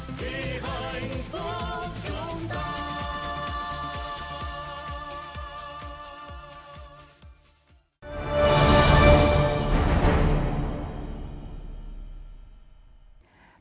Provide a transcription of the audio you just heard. vì hạnh phúc chúng ta